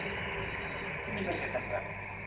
ที่นี่ไม่ใช่เสมือน